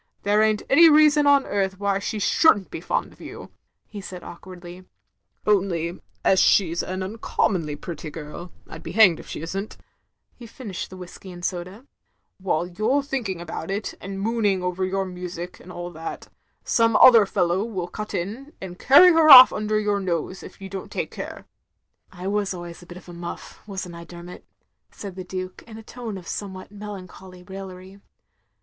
There ain't any reason on earth why she should 'nt be fond of you —" he said awkwardly, "only — ^as she 's an tincommonly pretty girl — I '11 be hanged if she is n't— " he finished the whiskey and soda — "while you 're thinking about it, and mooning over your music and all that — some other fellow will cut in, and carry her off under yotir very nose, if you don't take care." " I was always a bit of a mujff, was n't I, Der mot?" said the Duke, in a tone of somewhat mel ancholy raillery.